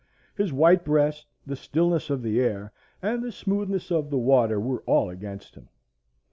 His white breast, the stillness of the air, and the smoothness of the water were all against him.